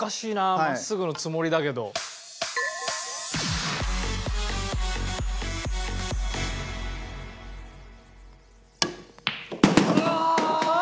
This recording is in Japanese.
真っすぐのつもりだけど。ああ！